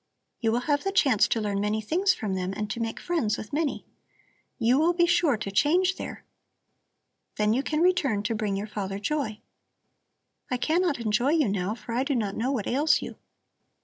You will have the chance to learn many things from them and to make friends with many. You will be sure to change there, then you can return to bring your father joy. I cannot enjoy you now, for I do not know what ails you.